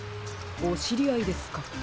おしりあいですか？